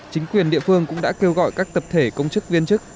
chính quyền địa phương cũng đã kêu gọi các tập thể công chức viên chức